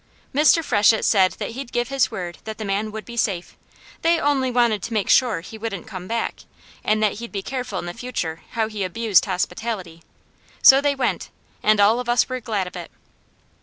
Mr. Freshett said that he'd give his word that the man would be safe; they only wanted to make sure he wouldn't come back, and that he'd be careful in the future how he abused hospitality, so they went, and all of us were glad of it.